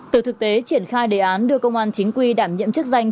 từ thực tế triển khai đề án đưa công an chính quy đảm nhiệm chức danh